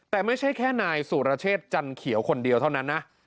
แต่ไม่ใช่แค่นายสุรเชษจันเขียวคนเดียวเท่านั้นนะ